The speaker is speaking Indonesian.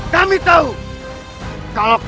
kami datang bersama